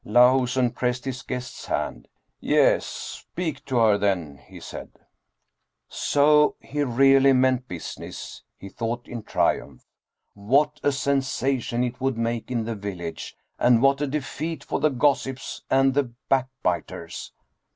Lahusen pressed his guest's hand. " Yes, speak to her then," he said. So he really meant business ; he thought in triumph. What a sensation it would make in the village ! and what a defeat for the gossips and the backbiters